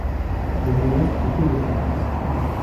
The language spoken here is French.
Il n'y reste que peu de temps.